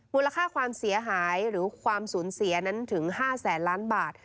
มูลค่าความเสียหายหรือความสูญเสียนั้นถึง๕แสนล้านบาท